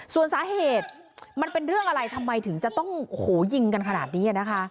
ส่วนสาเหตุมันเป็นเรื่องอะไรทำไมถึงจะต้องยิงกันขนาดนี้นะคะ